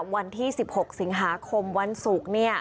วันที่๑๖สิงหาคมวันศุกร์